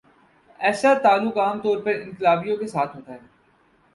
ایسا تعلق عام طور پر انقلابیوں کے ساتھ ہوتا ہے۔